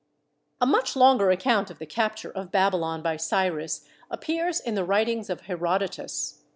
A much longer account of the capture of Baby lon by Cyrus appears in the writings of Herodotus.